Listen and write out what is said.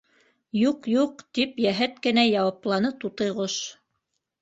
—Юҡ-юҡ, —тип йәһәт кенә яуапланы Тутыйғош.